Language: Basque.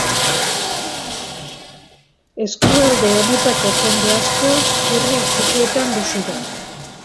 Eskualde honetako jende asko herri txikietan bizi da.